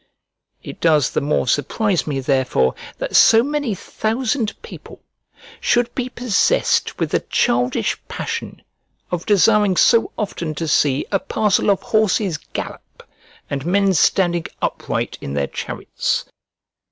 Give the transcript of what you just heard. It does the more surprise me therefore that so many thousand people should be possessed with the childish passion of desiring so often to see a parcel of horses gallop, and men standing upright in their chariots.